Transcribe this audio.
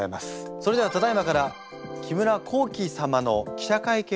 それではただいまから木村弘毅様の記者会見を行います。